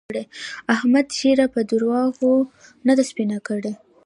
احمد ږيره په درواغو نه ده سپينه کړې.